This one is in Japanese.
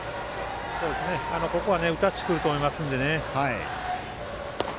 ここは打たせてくると思いますのでね。